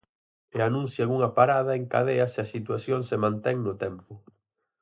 E anuncian unha parada en cadea se a situación se mantén no tempo.